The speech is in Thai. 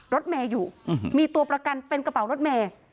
รถเมย์อยู่มีตัวประกันเป็นกระเป๋ารถเมย์